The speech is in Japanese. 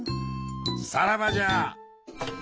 さらばじゃ！